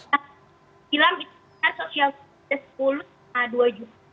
kita bilang itu kan sosial media sepuluh sama dua juta